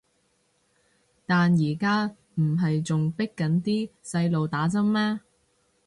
但而家唔係仲迫緊啲細路打針咩